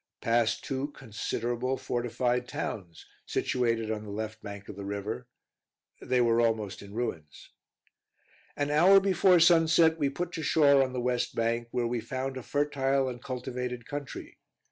Passed two considerable fortified towns, situated on the left bank of the river; they were almost in ruins. An hour before sunset we put to shore on the west bank, where we found a fertile and cultivated country.